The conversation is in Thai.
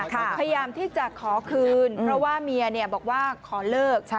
พยายามที่จะขอคืนเพราะว่าเมียบอกว่าขอเลิก